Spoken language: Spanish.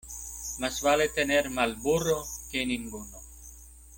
Más vale tener mal burro que ninguno.